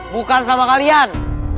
bukan sama kalian